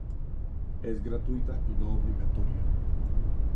Es gratuita y no obligatoria.